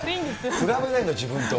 比べないの、自分と。